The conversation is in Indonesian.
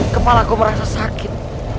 kepalaku merasa sakit